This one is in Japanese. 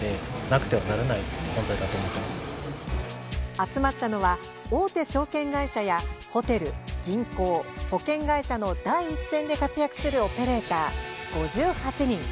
集まったのは大手証券会社やホテル、銀行、保険会社の第一線で活躍するオペレーター５８人。